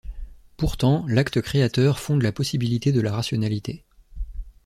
Pourtant, l'acte créateur fonde la possibilité de la rationalité.